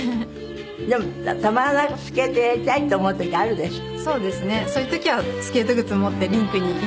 でもたまらなくスケートやりたいって思う時あるでしょ？